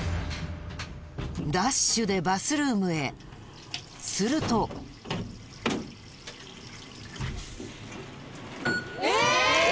ダッシュでバスルームへするとえ！